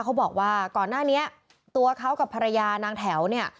เขาบอกว่าก่อนหน้านี้ตัวเขากับภรรยานางแถวเนี่ย